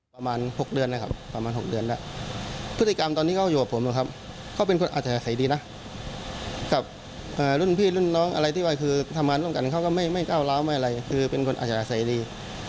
ตรงที่ทำงานที่กันเค้าก็ไม่ก้าวร้าวเป็นคนอาจารย์ใสดี